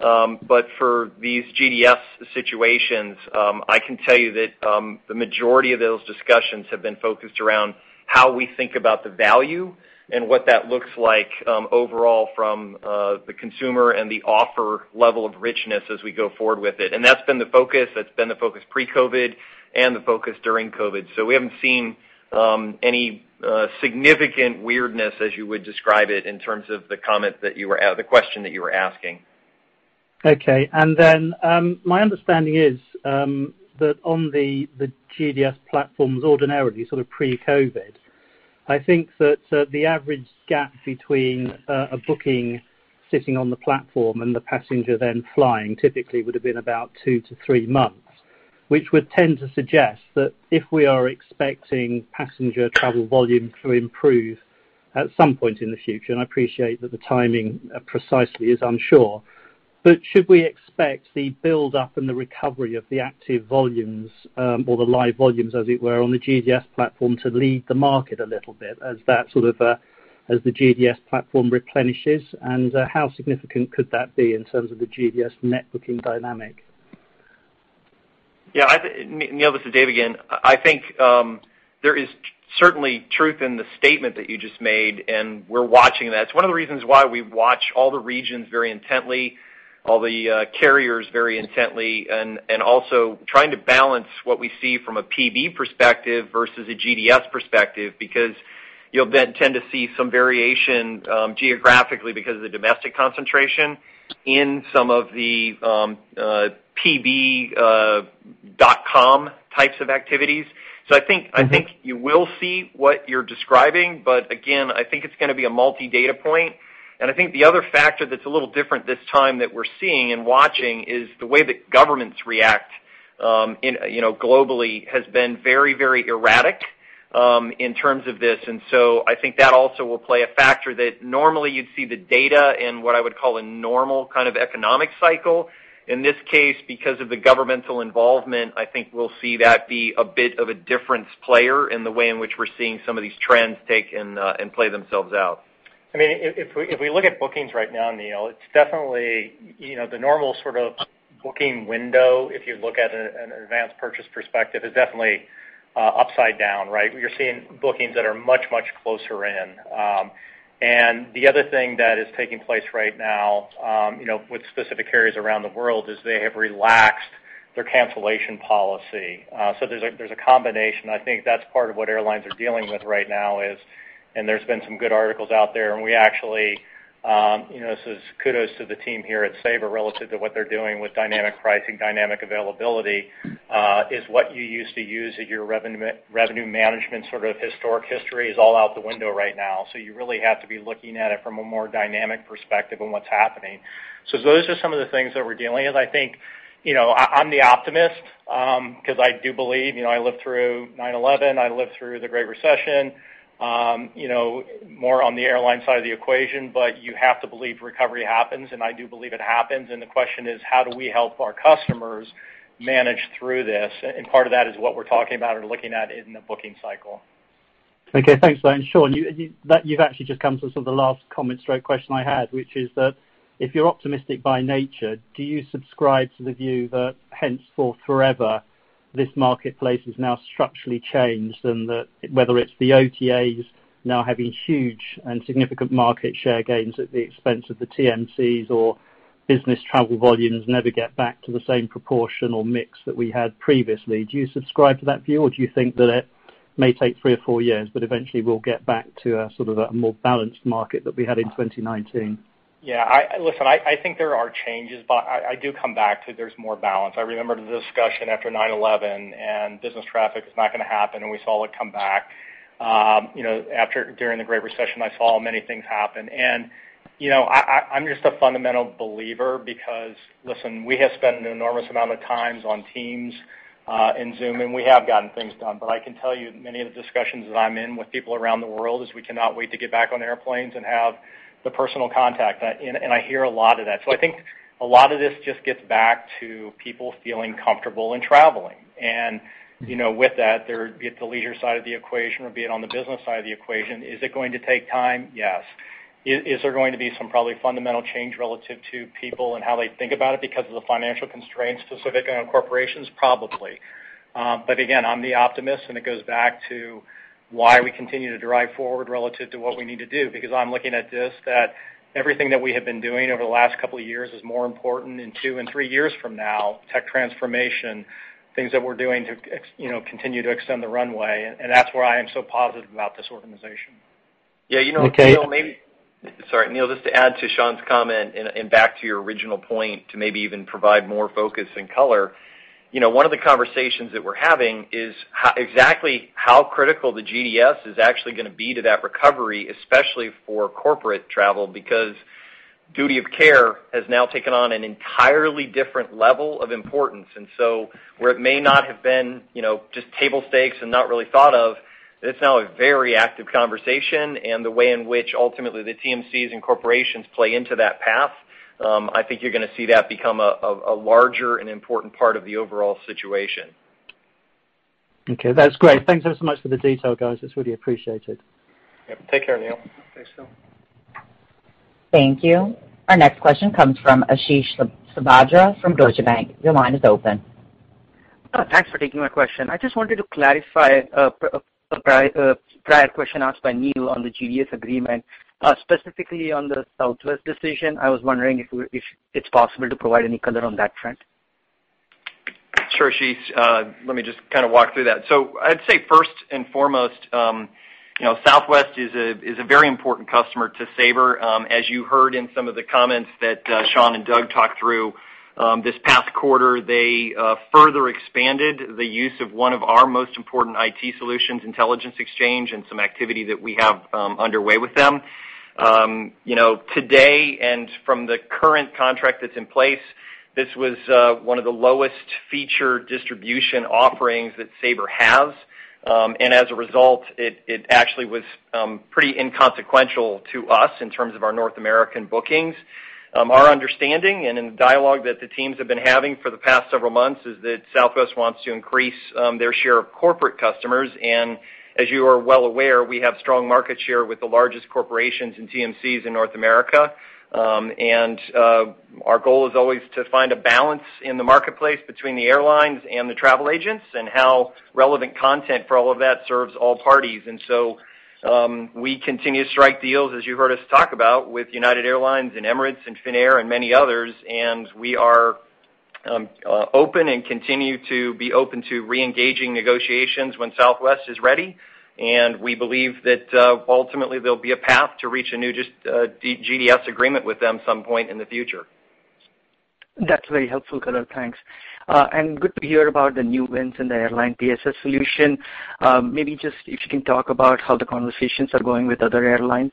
For these GDS situations, I can tell you that the majority of those discussions have been focused around how we think about the value and what that looks like overall from the consumer and the offer level of richness as we go forward with it. That's been the focus. That's been the focus pre-COVID and the focus during COVID. We haven't seen any significant weirdness, as you would describe it, in terms of the question that you were asking. Okay. My understanding is that on the GDS platforms ordinarily, pre-COVID, I think that the average gap between a booking sitting on the platform and the passenger then flying typically would have been about two to three months, which would tend to suggest that if we are expecting passenger travel volume to improve at some point in the future, and I appreciate that the timing precisely is unsure. Should we expect the buildup and the recovery of the active volumes, or the live volumes, as it were, on the GDS platform to lead the market a little bit as the GDS platform replenishes? How significant could that be in terms of the GDS net booking dynamic? Yeah. Neil, this is Dave again. I think there is certainly truth in the statement that you just made, and we're watching that. It's one of the reasons why we watch all the regions very intently, all the carriers very intently, and also trying to balance what we see from a PB perspective versus a GDS perspective, because you'll then tend to see some variation geographically because of the domestic concentration in some of the pb.com types of activities. I think you will see what you're describing, but again, I think it's going to be a multi-data point. I think the other factor that's a little different this time that we're seeing and watching is the way that governments react globally has been very erratic in terms of this. I think that also will play a factor that normally you'd see the data in what I would call a normal kind of economic cycle. In this case, because of the governmental involvement, I think we'll see that be a bit of a difference player in the way in which we're seeing some of these trends take and play themselves out. If we look at bookings right now, Neil, the normal sort of booking window, if you look at an advanced purchase perspective, is definitely upside down, right? We are seeing bookings that are much closer in. The other thing that is taking place right now with specific carriers around the world is they have relaxed their cancellation policy. There's a combination. I think that's part of what airlines are dealing with right now is, and there's been some good articles out there. This is kudos to the team here at Sabre relative to what they're doing with dynamic pricing, dynamic availability, is what you used to use at your revenue management sort of historic history is all out the window right now. You really have to be looking at it from a more dynamic perspective on what's happening. Those are some of the things that we're dealing with. I think I'm the optimist because I do believe, I lived through 9/11, I lived through the Great Recession, more on the airline side of the equation. You have to believe recovery happens, and I do believe it happens, and the question is: how do we help our customers manage through this? Part of that is what we're talking about or looking at in the booking cycle. Okay. Thanks for that. Sean, you've actually just come to sort of the last comment, straight question I had, which is that if you're optimistic by nature, do you subscribe to the view that henceforth, forever, this marketplace has now structurally changed, and that whether it's the OTAs now having huge and significant market share gains at the expense of the TMCs or business travel volumes never get back to the same proportion or mix that we had previously? Do you subscribe to that view, or do you think that it may take three or four years, but eventually we'll get back to a sort of a more balanced market that we had in 2019? Listen, I think there are changes. I do come back to there's more balance. I remember the discussion after 9/11. Business traffic is not going to happen, and we saw it come back. During the Great Recession, I saw many things happen. I'm just a fundamental believer because, listen, we have spent an enormous amount of times on Teams and Zoom, and we have gotten things done. I can tell you many of the discussions that I'm in with people around the world is we cannot wait to get back on airplanes and have the personal contact. I hear a lot of that. I think a lot of this just gets back to people feeling comfortable in traveling. With that, be it the leisure side of the equation or be it on the business side of the equation, is it going to take time? Yes. Is there going to be some probably fundamental change relative to people and how they think about it because of the financial constraints specific on corporations? Probably. Again, I'm the optimist, and it goes back to why we continue to drive forward relative to what we need to do, because I'm looking at this that everything that we have been doing over the last couple of years is more important in two and three years from now, tech transformation, things that we're doing to continue to extend the runway, and that's why I am so positive about this organization. Yeah. Okay. Sorry, Neil, just to add to Sean's comment and back to your original point to maybe even provide more focus and color. One of the conversations that we're having is exactly how critical the GDS is actually going to be to that recovery, especially for corporate travel, because duty of care has now taken on an entirely different level of importance. Where it may not have been just table stakes and not really thought of, it's now a very active conversation and the way in which ultimately the TMCs and corporations play into that path, I think you're going to see that become a larger and important part of the overall situation. Okay. That's great. Thanks ever so much for the detail, guys. It's really appreciated. Yep. Take care, Neil. Thanks, [Phil]. Thank you. Our next question comes from Ashish Sabadra from Deutsche Bank. Your line is open. Thanks for taking my question. I just wanted to clarify a prior question asked by Neil on the GDS agreement, specifically on the Southwest decision. I was wondering if it's possible to provide any color on that front. Sure, Ashish. Let me just walk through that. I'd say first and foremost Southwest is a very important customer to Sabre. As you heard in some of the comments that Sean and Doug talked through this past quarter, they further expanded the use of one of our most important IT solutions, Intelligence Exchange, and some activity that we have underway with them. Today and from the current contract that's in place, this was one of the lowest feature distribution offerings that Sabre has. As a result, it actually was pretty inconsequential to us in terms of our North American bookings. Our understanding and in the dialogue that the teams have been having for the past several months is that Southwest wants to increase their share of corporate customers. As you are well aware, we have strong market share with the largest corporations and TMCs in North America. Our goal is always to find a balance in the marketplace between the airlines and the travel agents and how relevant content for all of that serves all parties. We continue to strike deals, as you heard us talk about with United Airlines and Emirates and Finnair and many others, and we are open and continue to be open to re-engaging negotiations when Southwest is ready. We believe that ultimately there'll be a path to reach a new GDS agreement with them some point in the future. That's very helpful color, thanks. Good to hear about the new wins in the airline PSS solution. Maybe just if you can talk about how the conversations are going with other airlines.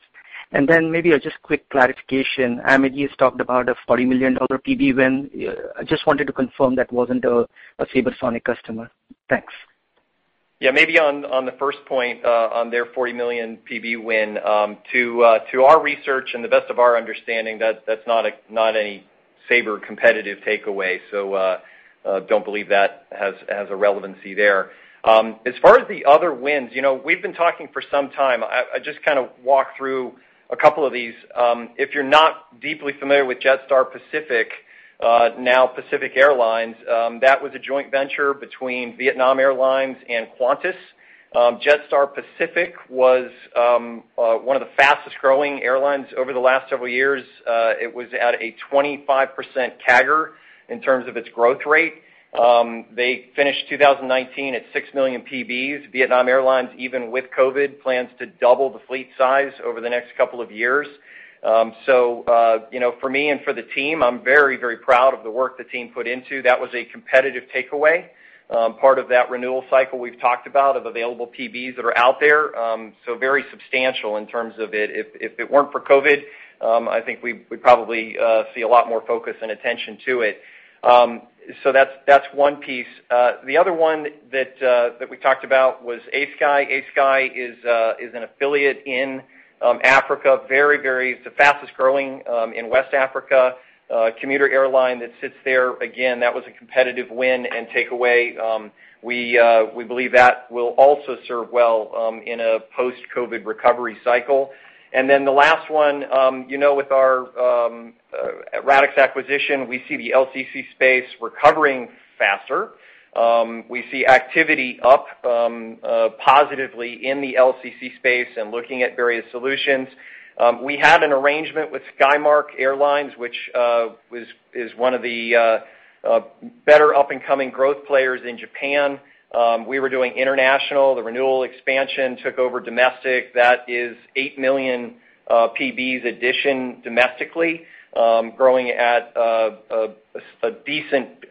Maybe just quick clarification. Amadeus talked about a $40 million PB win. I just wanted to confirm that wasn't a SabreSonic customer. Thanks. Maybe on the first point on their $40 million PB win, to our research and the best of our understanding, that's not any Sabre competitive takeaway. Don't believe that has a relevancy there. As far as the other wins, we've been talking for some time. I just walked through a couple of these. If you're not deeply familiar with Jetstar Pacific, now Pacific Airlines, that was a joint venture between Vietnam Airlines and Qantas. Jetstar Pacific was one of the fastest-growing airlines over the last several years. It was at a 25% CAGR in terms of its growth rate. They finished 2019 at $6 million PBs. Vietnam Airlines, even with COVID, plans to double the fleet size over the next couple of years. For me and for the team, I'm very proud of the work the team put into. That was a competitive takeaway. Part of that renewal cycle we've talked about of available PBs that are out there. Very substantial in terms of it. If it weren't for COVID-19, I think we'd probably see a lot more focus and attention to it. That's one piece. The other one that we talked about was ASKY. ASKY is an affiliate in Africa. The fastest growing in West Africa, commuter airline that sits there. Again, that was a competitive win and takeaway. We believe that will also serve well in a post-COVID-19 recovery cycle. The last one, with our Radixx acquisition, we see the LCC space recovering faster. We see activity up positively in the LCC space and looking at various solutions. We had an arrangement with Skymark Airlines, which is one of the better up-and-coming growth players in Japan. We were doing international. The renewal expansion took over domestic. That is 8 million PBs addition domestically, growing at a decent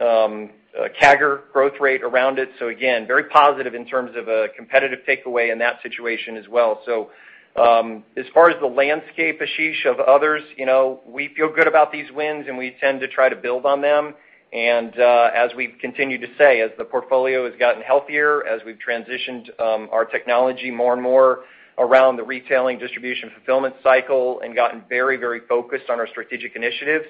CAGR growth rate around it. Again, very positive in terms of a competitive takeaway in that situation as well. As far as the landscape, Ashish, of others, we feel good about these wins. We tend to try to build on them. As we've continued to say, as the portfolio has gotten healthier, as we've transitioned our technology more and more around the retailing distribution fulfillment cycle and gotten very focused on our strategic initiatives,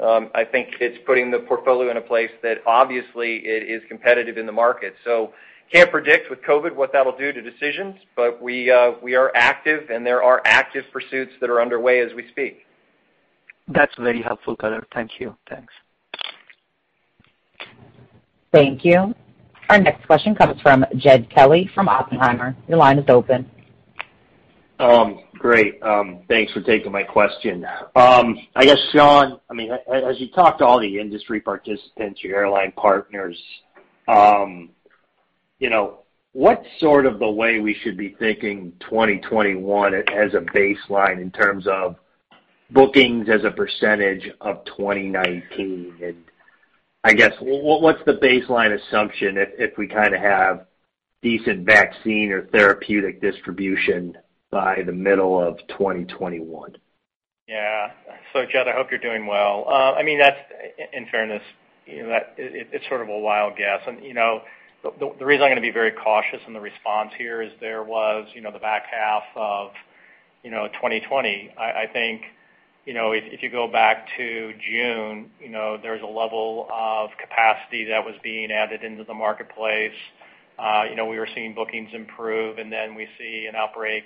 I think it's putting the portfolio in a place that obviously is competitive in the market. Can't predict with COVID what that'll do to decisions, but we are active and there are active pursuits that are underway as we speak. That's very helpful color. Thank you. Thanks. Thank you. Our next question comes from Jed Kelly from Oppenheimer. Your line is open. Great. Thanks for taking my question. I guess, Sean, as you talk to all the industry participants, your airline partners, what's sort of the way we should be thinking 2021 as a baseline in terms of bookings as a percentage of 2019? I guess, what's the baseline assumption if we kind of have decent vaccine or therapeutic distribution by the middle of 2021? Yeah. Jed, I hope you're doing well. In fairness, it's sort of a wild guess. The reason I'm going to be very cautious in the response here is there was the back half of 2020. I think, if you go back to June, there was a level of capacity that was being added into the marketplace. We were seeing bookings improve, and then we see an outbreak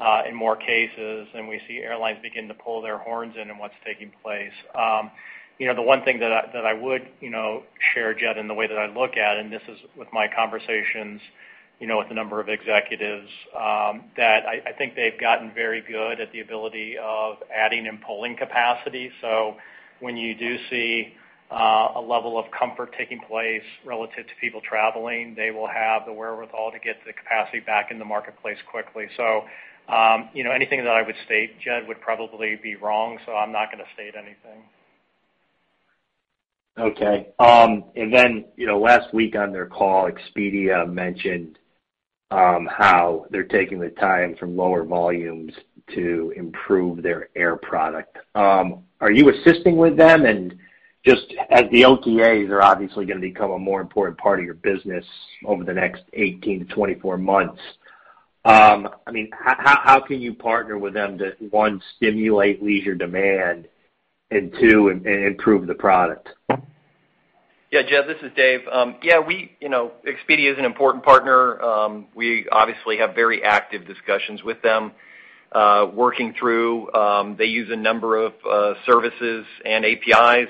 and more cases, and we see airlines begin to pull their horns in in what's taking place. The one thing that I would share, Jed, in the way that I look at, and this is with my conversations with a number of executives, that I think they've gotten very good at the ability of adding and pulling capacity. When you do see a level of comfort taking place relative to people traveling, they will have the wherewithal to get the capacity back in the marketplace quickly. Anything that I would state, Jed, would probably be wrong, so I'm not going to state anything. Okay. Last week on their call, Expedia mentioned how they're taking the time from lower volumes to improve their air product. Are you assisting with them? Just as the OTAs are obviously going to become a more important part of your business over the next 18 month - 24 months, how can you partner with them to, one, stimulate leisure demand, and two, improve the product? Jed, this is Dave. Expedia is an important partner. We obviously have very active discussions with them, working through. They use a number of services and APIs.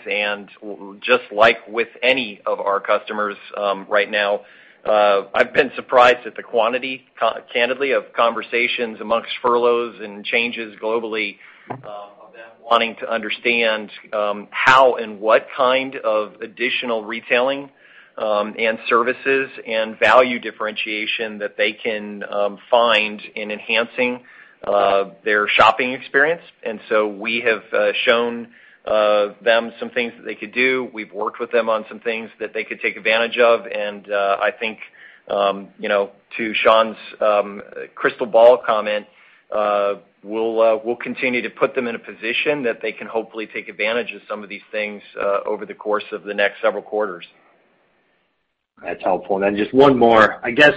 Just like with any of our customers right now, I've been surprised at the quantity, candidly, of conversations amongst furloughs and changes globally, of them wanting to understand how and what kind of additional retailing and services and value differentiation that they can find in enhancing their shopping experience. We have shown them some things that they could do. We've worked with them on some things that they could take advantage of. I think, to Sean's crystal ball comment, we'll continue to put them in a position that they can hopefully take advantage of some of these things over the course of the next several quarters. That's helpful. Just one more. I guess,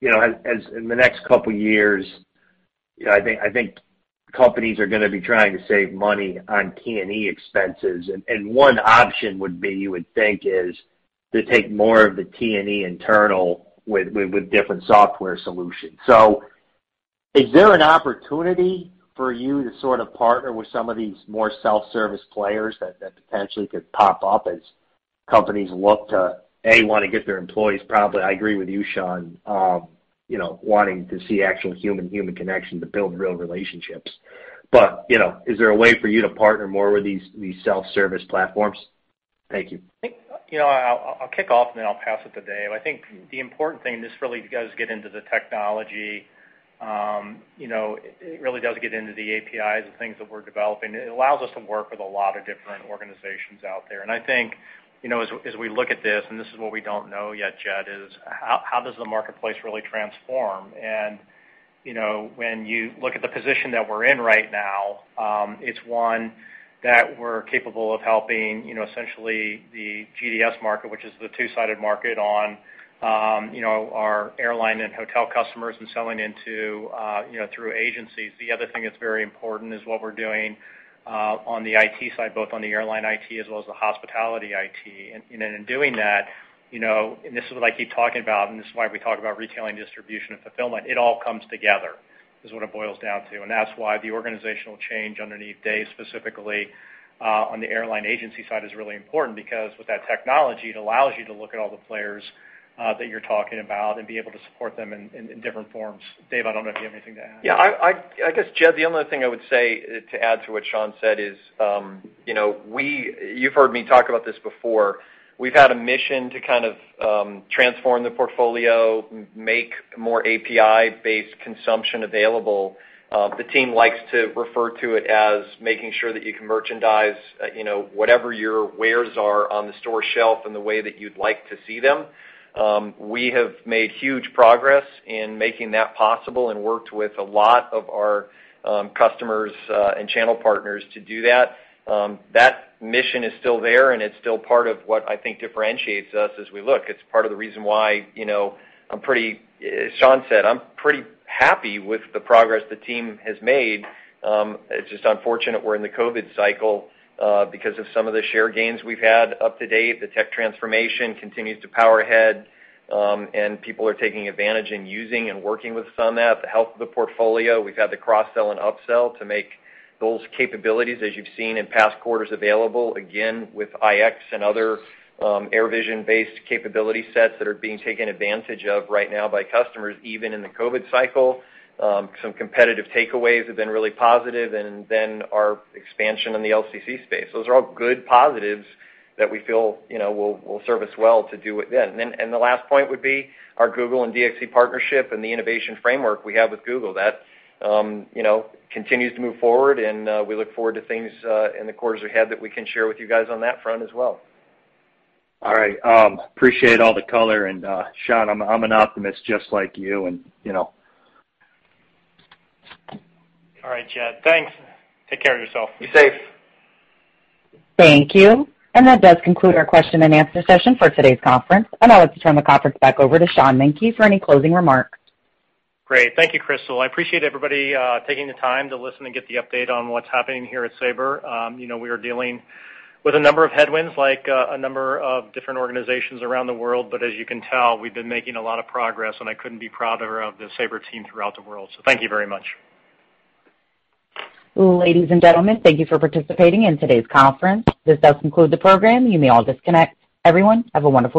in the next couple years, I think companies are going to be trying to save money on T&E expenses, one option would be, you would think, is to take more of the T&E internal with different software solutions. Is there an opportunity for you to sort of partner with some of these more self-service players that potentially could pop up as companies look to, A, want to get their employees, probably, I agree with you, Sean, wanting to see actual human connection to build real relationships. Is there a way for you to partner more with these self-service platforms? Thank you. I'll kick off and then I'll pass it to Dave. I think the important thing, this really does get into the technology. It really does get into the APIs and things that we're developing. It allows us to work with a lot of different organizations out there. I think, as we look at this, and this is what we don't know yet, Jed, is how does the marketplace really transform? When you look at the position that we're in right now, it's one that we're capable of helping essentially the GDS market, which is the two-sided market on our airline and hotel customers and selling through agencies. The other thing that's very important is what we're doing on the IT side, both on the airline IT as well as the hospitality IT. In doing that, this is what I keep talking about, this is why we talk about retailing distribution and fulfillment, it all comes together is what it boils down to. That's why the organizational change underneath Dave, specifically on the airline agency side, is really important because with that technology, it allows you to look at all the players that you're talking about and be able to support them in different forms. Dave, I don't know if you have anything to add. Yeah. I guess, Jed, the only thing I would say to add to what Sean said is, you've heard me talk about this before. We've had a mission to kind of transform the portfolio, make more API-based consumption available. The team likes to refer to it as making sure that you can merchandise whatever your wares are on the store shelf in the way that you'd like to see them. We have made huge progress in making that possible and worked with a lot of our customers and channel partners to do that. That mission is still there, and it's still part of what I think differentiates us as we look. It's part of the reason why, as Sean said, I'm pretty happy with the progress the team has made. It's just unfortunate we're in the COVID cycle because of some of the share gains we've had up to date. The tech transformation continues to power ahead, and people are taking advantage and using and working with some app. The health of the portfolio, we've had the cross-sell and up-sell to make those capabilities, as you've seen in past quarters, available again with IX and other AirVision-based capability sets that are being taken advantage of right now by customers, even in the COVID cycle. Some competitive takeaways have been really positive. Our expansion in the LCC space. Those are all good positives that we feel will serve us well to do with then. The last point would be our Google and DXC partnership and the innovation framework we have with Google. That continues to move forward, and we look forward to things in the quarters ahead that we can share with you guys on that front as well. All right. Appreciate all the color. Sean, I'm an optimist just like you and All right, Jed, thanks. Take care of yourself. Be safe. Thank you. That does conclude our question and answer session for today's conference. I'd now like to turn the conference back over to Sean Menke for any closing remarks. Great. Thank you, Crystal. I appreciate everybody taking the time to listen and get the update on what's happening here at Sabre. We are dealing with a number of headwinds, like a number of different organizations around the world, but as you can tell, we've been making a lot of progress, and I couldn't be prouder of the Sabre team throughout the world. Thank you very much. Ladies and gentlemen, thank you for participating in today's conference. This does conclude the program. You may all disconnect. Everyone, have a wonderful day.